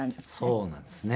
そうなんですね。